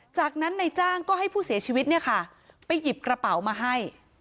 จากนั้นนายจ้างก็ให้ผู้เสียชีวิตเนี่ยค่ะไปหยิบกระเป๋ามาให้